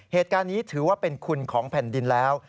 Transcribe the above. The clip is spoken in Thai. เหตุการณ์นี้ถือว่าเป็นคุณของแผ่นดินแล้ว